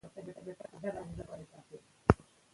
ستاسو د موقف ټینګول د هوښیارۍ اړتیا لري.